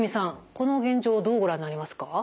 この現状をどうご覧になりますか？